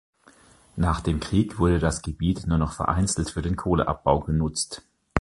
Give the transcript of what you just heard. Nach dem Krieg wurde das Gebiet nur noch vereinzelt für den Kohleabbau genutzt.